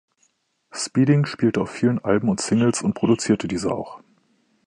Spedding spielte auf vielen Alben und Singles und produzierte diese auch.